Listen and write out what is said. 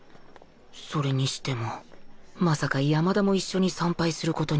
それにしてもまさか山田も一緒に参拝する事になるとは